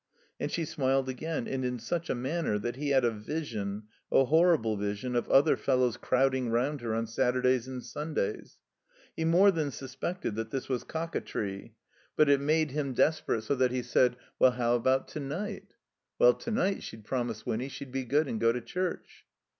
And she smiled again, and in such a manner that he had a vision, a horrible vision, of other fellows crowding rotmd her on Sattirdays and Stmdays. He more than suspected that this was "cock a tree"; but it made him zoz THE COMBINED MAZE desperate, so that he said, "Well — how about to night?" Well — to night she'd promised Winny she'd be good and go to chtirch.